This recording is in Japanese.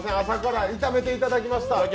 朝から炒めていただきました。